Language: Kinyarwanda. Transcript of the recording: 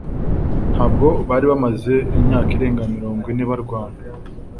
Ntabwo bari bamaze imyaka irenga mirongo ine barwana